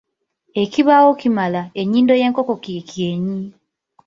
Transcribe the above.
Ekibaawo kimala, ennyindo y’enkoko kye kyenyi.